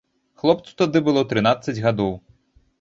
Хлопцу тады было трынаццаць гадоў.